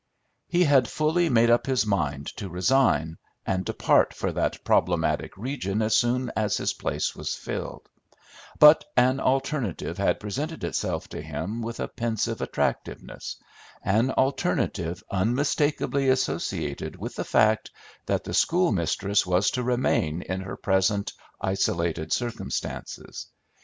He had fully made up his mind to resign, and depart for that problematic region as soon as his place was filled; but an alternative had presented itself to him with a pensive attractiveness, an alternative unmistakably associated with the fact that the schoolmistress was to remain in her present isolated circumstances.